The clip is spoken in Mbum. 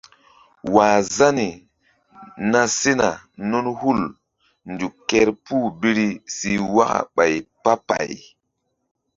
̰wah Zani na sena nun hul nzuk kerpuh biri si waka ɓay pah pay.